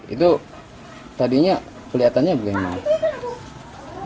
itu tadi kelihatannya bagaimana